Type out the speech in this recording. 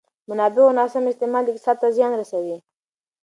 د منابعو ناسم استعمال اقتصاد ته زیان رسوي.